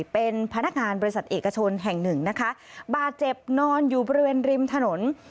เป็นพนักงานบริษัทเอกชนแห่งหนึ่งนะคะบาดเจ็บนอนอยู่บริเวณริมถนน